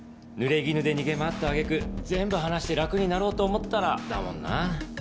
ぬれぎぬで逃げ回った揚げ句全部話して楽になろうと思ったらだもんなぁ。